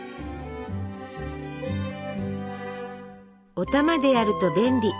「お玉でやると便利」。